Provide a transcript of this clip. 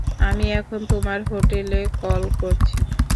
আমি এখন তোমার হোটেলে কল করছি।